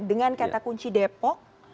dengan kata kunci depok